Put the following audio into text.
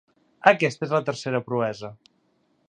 Aquesta és la tercera proesa.